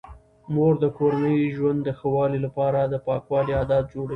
مور د کورني ژوند د ښه والي لپاره د پاکوالي عادات جوړوي.